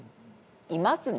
いますね。